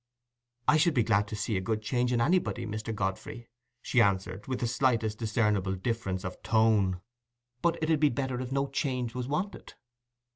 "I should be glad to see a good change in anybody, Mr. Godfrey," she answered, with the slightest discernible difference of tone, "but it 'ud be better if no change was wanted."